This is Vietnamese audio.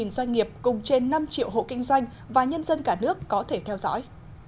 và nhân dân cả nước có thể theo dõi